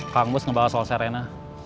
kang mus ngebahas soal serena